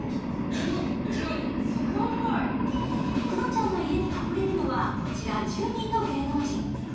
クロちゃんの家に隠れるのはこちら１０人の芸能人。